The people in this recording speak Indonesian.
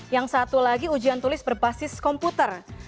yang satu lagi ujian tulis berbasis komputer